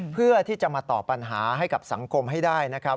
เพื่อที่จะมาต่อปัญหาให้กับสังคมให้ได้นะครับ